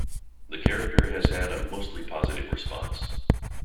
The character has had a mostly positive response.